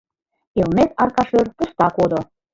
Элнет арка шӧр пуста кодо.